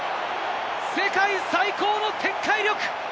世界最高の展開力！